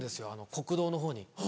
国道のほうに。